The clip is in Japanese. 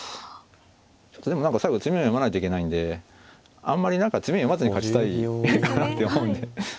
ちょっとでも何か最後詰みを読まないといけないんであんまり何か詰み読まずに勝ちたいかなって思うんで。